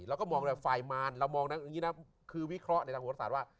เราก็มองแต่ฝ่ายมารเรามองนะอย่างนี้นะคือวิเคราะห์ในทางโหรศาสตร์ว่า